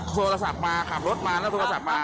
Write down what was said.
อ๋อคือเขาโทรศัพท์มาขับรถมาแล้วโทรศัพท์มา